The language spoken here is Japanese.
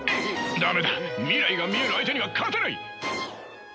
駄目だ未来が見える相手には勝てない！